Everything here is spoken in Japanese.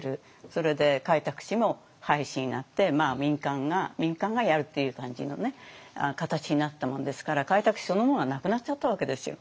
それで開拓使も廃止になって民間がやるっていう感じの形になったもんですから開拓使そのものはなくなっちゃったわけですよ。